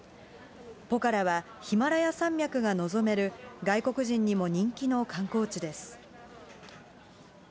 ポカラは、ヒマラヤ山脈が望める、外国人にも人気の観光地です。